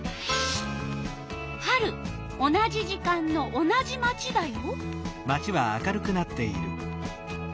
同じ時間の同じ町だよ。